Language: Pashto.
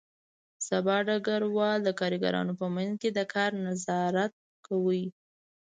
سبا ډګروال د کارګرانو په منځ کې د کار نظارت کاوه